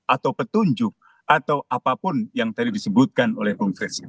atau petunjuk atau apapun yang tadi disebutkan oleh bung friksi